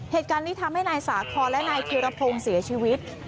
เหตุการณ์นี้ทำให้นายสาคอนและนายธีรพงศ์เสียชีวิต